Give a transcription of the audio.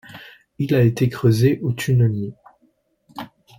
Il a été creusé au tunnelier.